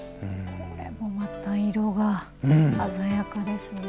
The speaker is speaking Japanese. これもまた色が鮮やかですね。